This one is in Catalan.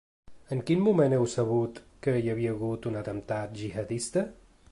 En quin moment heu sabut que hi havia hagut un atemptat gihadista?